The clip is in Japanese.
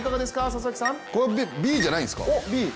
Ｂじゃないんですか？